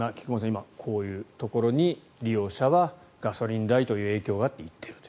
今、こういうところに利用者はガソリン代という影響があって行っていると。